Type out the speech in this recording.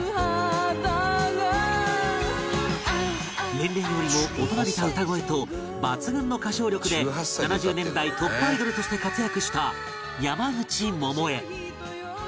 年齢よりも大人びた歌声と抜群の歌唱力で７０年代トップアイドルとして活躍した山口百恵